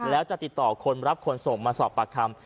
แล้วจะติดต่อคนรับคนส่งมาสอบปากคำ